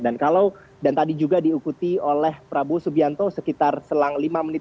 dan tadi juga diikuti oleh prabowo subianto sekitar selang lima menit